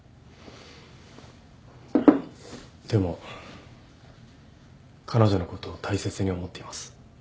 でも彼女のことを大切に思っています。